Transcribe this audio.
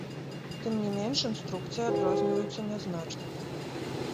Тым не менш інструкцыі адрозніваюцца нязначна.